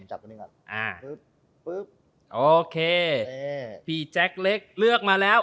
จับตรงนี้ก่อนอ่าโอเคพี่แจ็คเล็กเลือกมาแล้ว